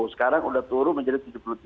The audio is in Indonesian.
sekarang sudah turun menjadi tujuh puluh tiga